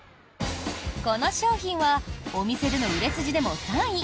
この商品はお店での売れ筋でも３位。